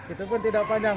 itu pun tidak panjang